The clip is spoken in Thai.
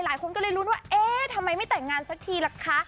หลายคนก็เลยลุ้นว่าเอ๊ะทำไมไม่แต่งงานสักทีล่ะคะ